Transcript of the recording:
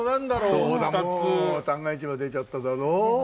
そうだもう旦過市場出ちゃっただろ。